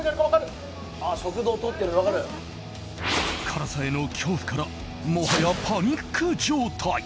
辛さへの恐怖からもはやパニック状態。